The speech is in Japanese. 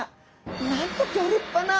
なんとギョ立派な。